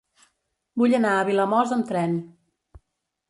Vull anar a Vilamòs amb tren.